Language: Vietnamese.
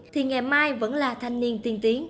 thì ngày mai vẫn là thanh niên tiên tiến